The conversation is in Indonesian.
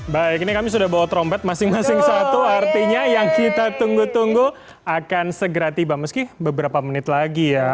baik ini kami sudah bawa trompet masing masing satu artinya yang kita tunggu tunggu akan segera tiba meski beberapa menit lagi ya